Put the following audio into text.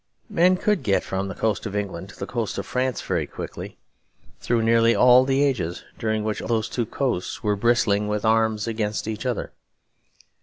Men could get from the coast of England to the coast of France very quickly, through nearly all the ages during which those two coasts were bristling with arms against each other.